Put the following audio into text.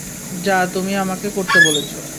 যা তুমি আমাকে করতে বলেছ!